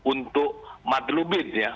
untuk madlubin ya